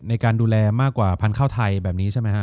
ในการดูแลมากกว่าพันธุ์ข้าวไทยแบบนี้ใช่ไหมฮะ